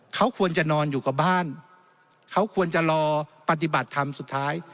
เขาควรจะนอนอยู่กับบ้านเขาควรจะรอปฏิบัติธรรมสุดท้าย